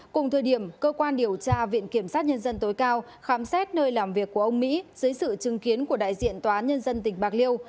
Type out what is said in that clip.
cùng thời điểm cơ quan điều tra viện kiểm sát nhân dân tối cao khám xét nơi làm việc của ông mỹ dưới sự chứng kiến của đại diện tòa án nhân dân tỉnh bạc liêu